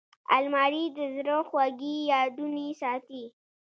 الماري د زړه خوږې یادونې ساتي